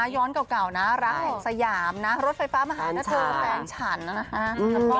ย้อนเก่านะรักสยามนะรถไฟฟ้ามาหาเธอแฟนฉันนะฮะ